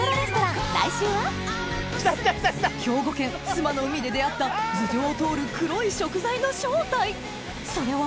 兵庫県須磨の海で出合った頭上を通る黒い食材の正体それは？